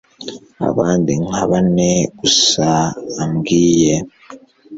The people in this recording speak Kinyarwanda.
abandi nka bane gusa ambwiye